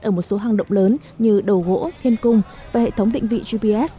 ở một số hang động lớn như đầu gỗ thiên cung và hệ thống định vị gps